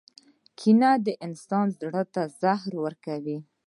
• کینه د انسان زړۀ ته زهر ورکوي.